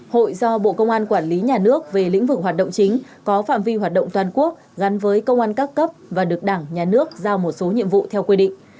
hội do bộ công an quản lý nhà nước về lĩnh vực hoạt động chính có phạm vi hoạt động toàn quốc gắn với công an các cấp và được đảng nhà nước giao một số nhiệm vụ theo quy định